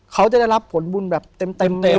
เขาจะได้รับผลบุญแบบเต็มเทมเลย